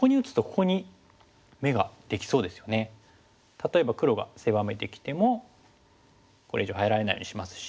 例えば黒が狭めてきてもこれ以上入られないようにしますし。